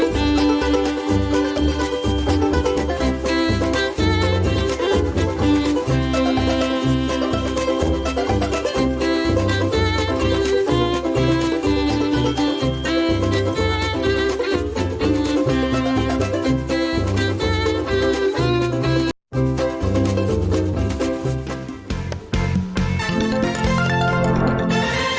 สวัสดีครับสวัสดีครับ